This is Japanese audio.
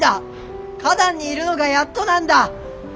花壇にいるのがやっとなんだ！